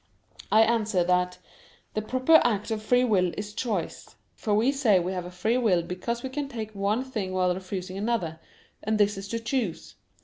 I answer that, The proper act of free will is choice: for we say that we have a free will because we can take one thing while refusing another; and this is to choose.